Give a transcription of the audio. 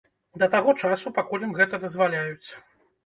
Да таго часу, пакуль ім гэта дазваляюць.